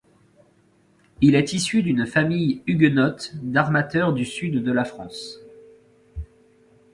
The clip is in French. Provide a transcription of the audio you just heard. Il est issu d'une famille huguenote d'armateurs du sud de la France.